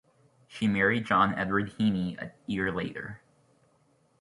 She married John Edward Heeney a year later.